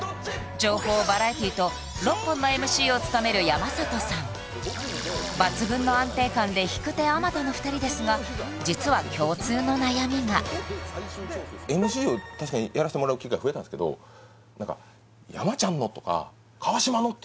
情報バラエティと６本のＭＣを務める山里さん抜群の安定感で引く手あまたの２人ですが実はＭＣを確かにやらしてもらう機会増えたんですけど何かえっ？